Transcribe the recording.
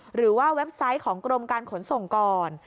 เว็บไซต์ของกรมการขนส่งก่อน